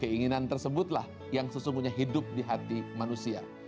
keinginan tersebutlah yang sesungguhnya hidup di hati manusia